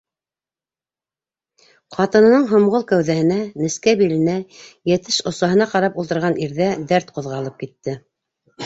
Ҡатынының һомғол кәүҙәһенә, нескә биленә, йәтеш осаһына ҡарап ултырған ирҙә дәрт ҡуҙғалып китте.